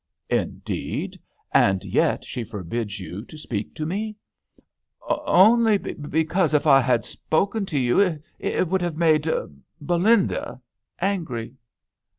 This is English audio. " Indeed ! And yet she forbids you to speak to me ?"" Only because if I had spoken to you it would have made Belinda angry."